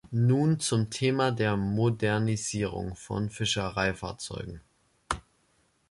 Nun zum Thema der Modernisierung von Fischereifahrzeugen.